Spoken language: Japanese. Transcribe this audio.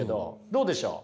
どうでしょう？